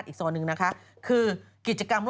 พี่ชอบแซงไหลทางอะเนาะ